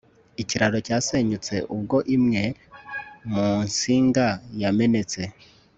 Ikiraro cyasenyutse ubwo imwe mu nsinga yamenetse